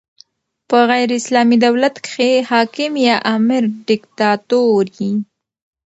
په غیري اسلامي دولت کښي حاکم یا امر ډیکتاتور يي.